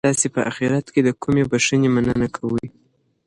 تاسي په اخیرت کي د کومې بښنې مننه کوئ؟